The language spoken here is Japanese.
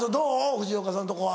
藤岡さんのとこは。